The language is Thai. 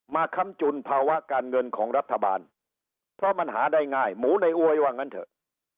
ค้ำจุนภาวะการเงินของรัฐบาลเพราะมันหาได้ง่ายหมูในอวยว่างั้นเถอะ